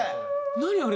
何あれ？